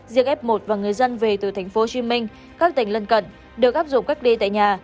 riêng f một và người dân về từ tp hcm các tỉnh lân cận được áp dụng cách đi tại nhà